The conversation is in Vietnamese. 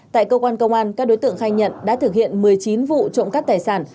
tại cơ quan công an các đối tượng khai nhận đã thực hiện một mươi chín vụ trộm cắp tài sản